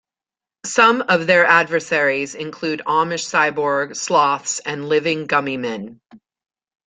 Some of their adversaries include Amish cyborg, sloths and living gummi men.